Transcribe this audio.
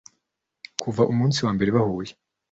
kuva umunsi wambere bahuye